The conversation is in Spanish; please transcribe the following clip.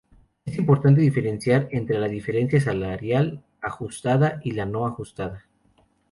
Es importante diferenciar entre la diferencia salarial ajustada y la no ajustada.